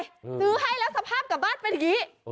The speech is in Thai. ซื้อให้แล้วสภาพกลับบ้านเป็นอย่างนี้